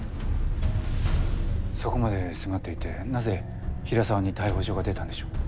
そこまで迫っていてなぜ平沢に逮捕状が出たんでしょう？